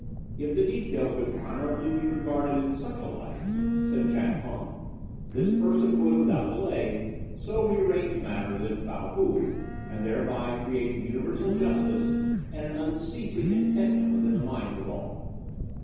"'If the detail could honourably be regarded in such a light,' said Chan Hung, 'this person would, without delay, so rearrange matters in Fow Hou, and thereby create universal justice and an unceasing contentment within the minds of all.